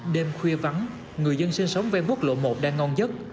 đêm khuya vắng người dân sinh sống ven quốc lộ một đang ngon nhất